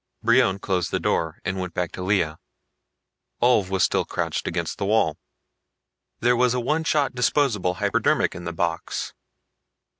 Brion closed the door and went back to Lea. Ulv was still crouched against the wall. There was a one shot disposable hypodermic in the box.